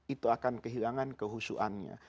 itu akan kehilangan kehusuannya